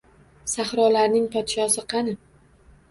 Sahrolarning podshosi qani?